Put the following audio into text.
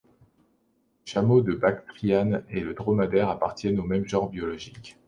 Le chameau de Bactriane et le dromadaire appartiennent au même genre biologique.